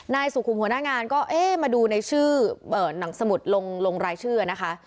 นายสุขุมหัวหน้างานก็เอ๊ะมาดูในชื่อหนังสมุดลงรายชื่อนะคะ